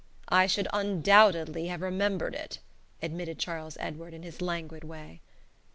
"I should undoubtedly have remembered it," admitted Charles Edward, in his languid way.